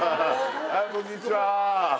こんにちは